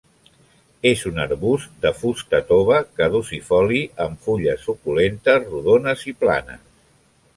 És un arbust de fusta tova, caducifoli amb fulles suculentes rodones i planes.